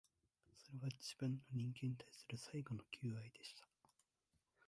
それは、自分の、人間に対する最後の求愛でした